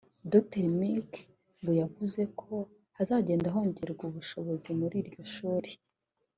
Dr Mike ngo yavuze ko hazagenda hongerwamo ubushobozi muri iryo shuri